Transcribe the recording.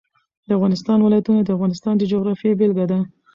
د افغانستان ولايتونه د افغانستان د جغرافیې بېلګه ده.